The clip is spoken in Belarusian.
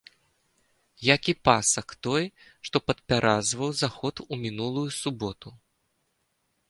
Як і пасак той, што падпяразваў заход у мінулую суботу.